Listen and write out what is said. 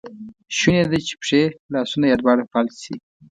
شونی ده چې پښې، لاسونه یا دواړه فلج شي.